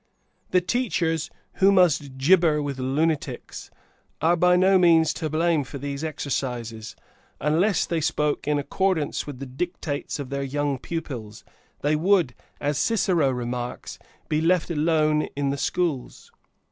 The teachers, who must gibber with lunatics, are by no means to blame for these exercises. Unless they spoke in accordance with the dictates of their young pupils, they would, as Cicero remarks, be left alone in the schools!